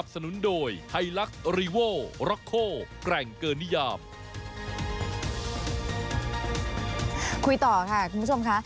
ต่อค่ะคุณผู้ชมค่ะ